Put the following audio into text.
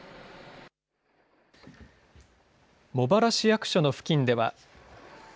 茂原市役所の付近では。